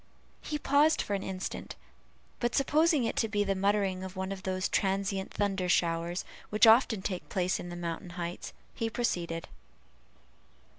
He paused for an instant, but supposing it to be the muttering of one of those transient thunder showers which often take place in the mountain heights, he proceeded.